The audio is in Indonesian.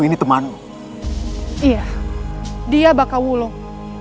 iya dia baka wulung